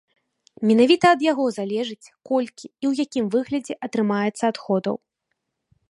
Менавіта ад яго залежыць, колькі і ў якім выглядзе атрымаецца адходаў.